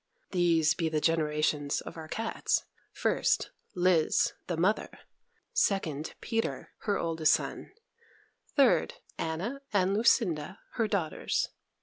"These be the generations" of our cats: first, Liz, the mother; second, Peter, her oldest son; third, Anna and Lucinda, her daughters.